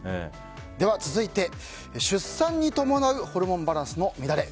続いて、出産に伴うホルモンバランスの乱れ。